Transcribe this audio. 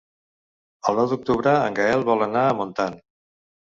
El nou d'octubre en Gaël vol anar a Montant.